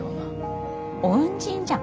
恩人じゃん。